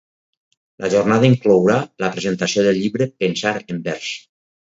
La jornada inclourà la presentació del llibre Pensar en Vers.